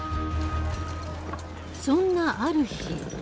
そんなある日。